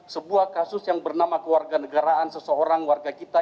sebuah kasus yang bernama kewarganegaraan seseorang warga kita